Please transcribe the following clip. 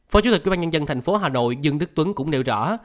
phó chủ tịch quyên bàn nhân dân thành phố hà nội dương đức tuấn cũng nêu rõ